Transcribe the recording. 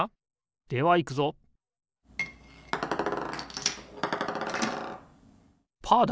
ではいくぞパーだ！